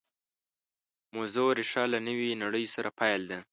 موضوع ریښه له نوې نړۍ سره پیل ده